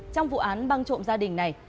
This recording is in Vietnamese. trong vụ án băng trộm gia đình này